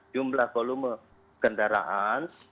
jumlah volume kendaraan